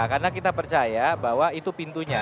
karena kita percaya bahwa itu pintunya